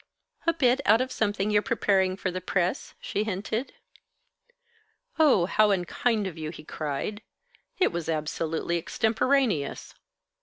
"A bit out of something you're preparing for the press?" she hinted. "Oh, how unkind of you!" he cried. "It was absolutely extemporaneous."